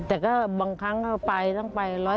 แต่ก็บางครั้งก็ไปต้องไป๑๐๐